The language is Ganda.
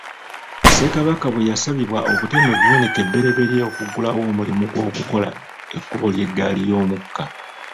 Ssekabaka bwe yasabibwa okutema evvuunike ebbereberye okuggulawo omulimu gw'okukola ekkubo ly'eggaali y'omukka.